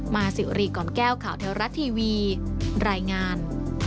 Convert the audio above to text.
มาสิวรีก่อนแก้วข่าวเทวรัฐทีวีรายงาน